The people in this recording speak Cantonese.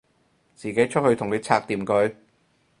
自己出去同佢拆掂佢